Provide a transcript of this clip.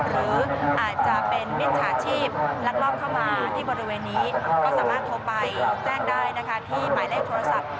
หรืออาจจะเป็นมิจฉาชีพลักลอบเข้ามาที่บริเวณนี้ก็สามารถโทรไปแจ้งได้นะคะที่หมายเลขโทรศัพท์